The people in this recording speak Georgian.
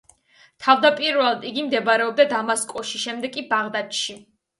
თავდაპირველად იგი მდებარეობდა დამასკოში, შემდეგ კი ბაღდადში.